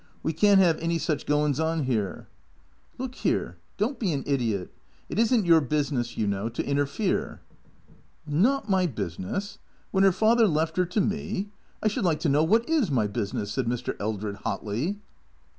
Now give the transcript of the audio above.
" We can't 'ave any such goin's on 'ere." " Look here — don't be an idiot — it is n't your business, you know, to interfere." " Not my business ? Wlien 'er father left 'er to me ? I should like to know what is my business," said Mr. Eldred hotly.